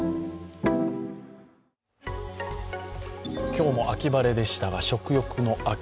今日も秋晴れでしたが食欲の秋